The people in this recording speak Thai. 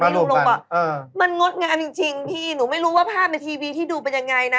ลุงลงบอกมันงดงามจริงพี่หนูไม่รู้ว่าภาพในทีวีที่ดูเป็นยังไงนะ